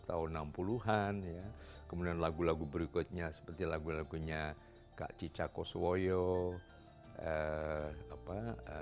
tahun enam puluh an ya kemudian lagu lagu berikutnya seperti lagu lagunya kak cica koswoyo eh apa